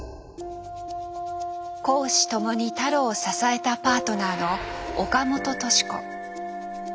公私共に太郎を支えたパートナーの岡本敏子。